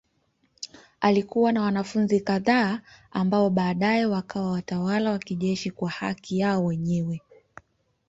Alikuwa na wanafunzi kadhaa ambao baadaye wakawa watawala wa kijeshi kwa haki yao wenyewe.